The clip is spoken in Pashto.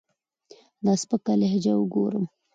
دا سپکه لهجه اوګورم